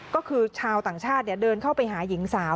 ก็คือชาวต่างชาติเดินเข้าไปหาหญิงสาว